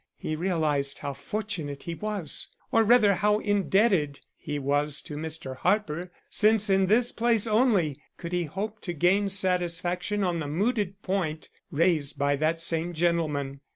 He realized how fortunate he was, or rather how indebted he was to Mr. Harper, since in this place only could he hope to gain satisfaction on the mooted point raised by that same gentleman.